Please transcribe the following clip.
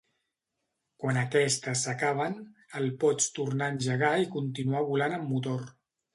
Quan aquestes s'acaben el pots tornar a engegar i continuar volant amb motor.